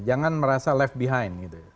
jangan merasa left behind gitu